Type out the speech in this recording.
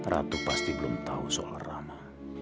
ratu pasti belum tahu soal rama